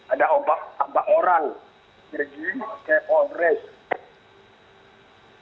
ada empat orang pergi ke on race